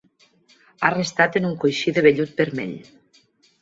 Ha restat en un coixí de vellut vermell.